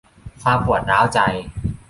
ความปวดร้าวใจ